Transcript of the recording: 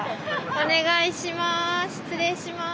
お願いします。